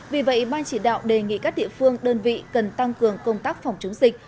vì vậy ban chỉ đạo đề nghị các địa phương đơn vị cần tăng cường công tác phòng chống dịch